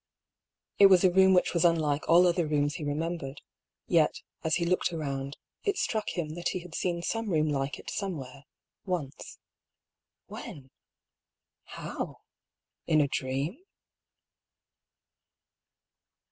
It was a room which was unlike all other rooms he remembered, yet, as he looked around, it struck him that he had seen some room like it some where, once. When ? How ? In a dream